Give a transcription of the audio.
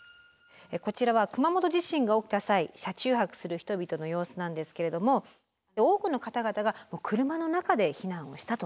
こちらは熊本地震が起きた際車中泊する人々の様子なんですけれども多くの方々が車の中で避難をしたと。